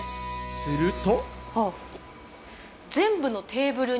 すると。